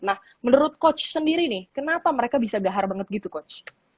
nah menurut coach sendiri nih kenapa mereka bisa gahar banget gitu coach